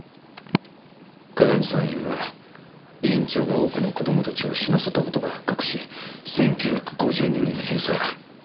鏡見産院は院長が多くの子供たちを死なせた事が発覚し１９５２年に閉鎖。